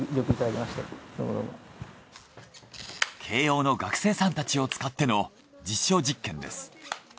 慶應の学生さんたちを使っての実証実験です。